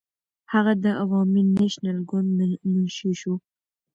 هغه د عوامي نېشنل ګوند منشي شو.